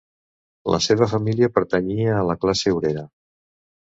La seva família pertanyia a la classe obrera.